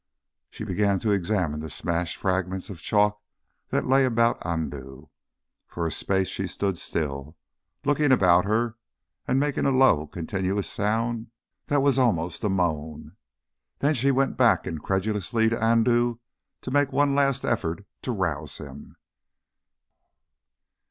She began to examine the smashed fragments of chalk that lay about Andoo. For a space she stood still, looking about her and making a low continuous sound that was almost a moan. Then she went back incredulously to Andoo to make one last effort to rouse him.